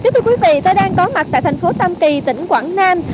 thưa quý vị tôi đang có mặt tại tp tam kỳ tỉnh quảng nam